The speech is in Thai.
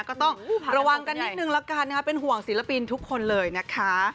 ก็ต้องระวังกันนิดนึงละกันนะคะเป็นห่วงศิลปินทุกคนเลยนะคะ